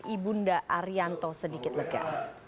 ibunda arianto sedikit lega